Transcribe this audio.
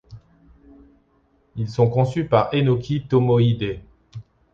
Ils sont conçus par Enoki Tomohide.